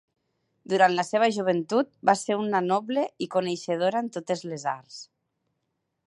Durant la seva joventut, va ser una noble i coneixedora en totes les arts.